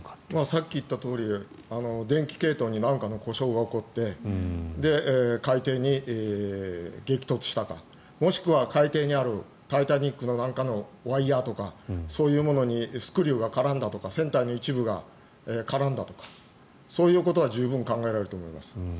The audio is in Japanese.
さっき言ったとおり電気系統に何かの故障が起こって海底に激突したかもしくは海底にある「タイタニック」のワイヤとかそういうものにスクリューが絡んだとか船体の一部が絡んだとかそういうことは十分考えられると思います。